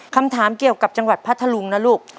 คำถามเกี่ยวกับจังหวัดพัทธลุงนะลูก